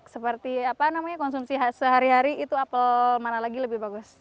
seperti apa namanya konsumsi sehari hari itu apel mana lagi lebih bagus